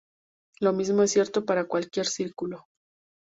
Lo mismo es cierto para cualquier círculo.